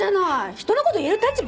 人の事言える立場？